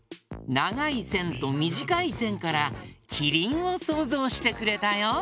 ながいせんとみじかいせんからキリンをそうぞうしてくれたよ。